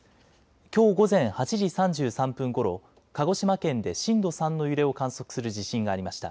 きょう午前８時３３分ごろ鹿児島県で震度３の揺れを観測する地震がありました。